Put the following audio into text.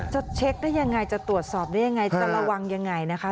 จะเช็คได้ยังไงจะตรวจสอบได้ยังไงจะระวังยังไงนะคะ